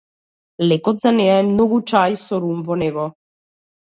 Лекот за неа е многу чај со рум во него.